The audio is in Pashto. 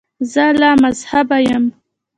زه لامذهبه یم.